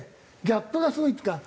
ギャップがすごいっていうか。